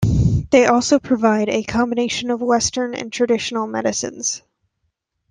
They also provided a combination of western and traditional medicines.